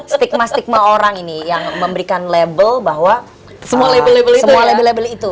stigma stigma orang ini yang memberikan label bahwa semua label label itu